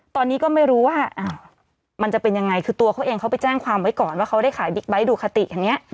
ตอนนี้ก็ไม่รู้ว่ามันจะเป็นยังไงคือตัวเขาเองเขาไปแจ้งความไว้ก่อนว่าเขาได้ขายบิ๊กไบท์ดูคาติอย่างนี้